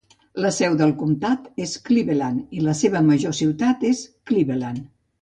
La seu del comtat és Cleveland, i la seva major ciutat és Cleveland.